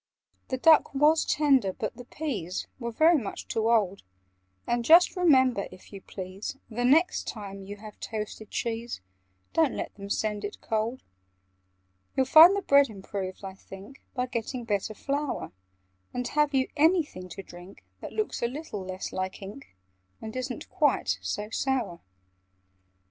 "The duck was tender, but the peas Were very much too old: And just remember, if you please, The next time you have toasted cheese, Don't let them send it cold. "You'd find the bread improved, I think, By getting better flour: And have you anything to drink That looks a little less like ink, And isn't quite so sour?"